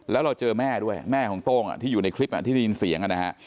แล้วเราเจอแม่ด้วยแม่ของโต้งที่อยู่ในคลิปที่ได้ยินเสียงนะฮะ